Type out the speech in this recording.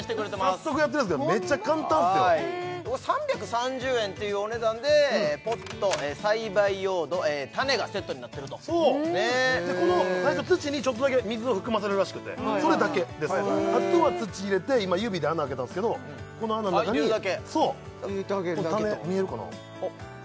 早速やってるんですけどめっちゃ簡単ですよはい３３０円っていうお値段でポット栽培用土種がセットになってるとそうこの最初土にちょっとだけ水を含ませるらしくてそれだけですあとは土入れて今指で穴開けたんですけどこの穴の中に入れるだけそう種見えるかな